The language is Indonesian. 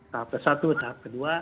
tahap ke satu tahap ke dua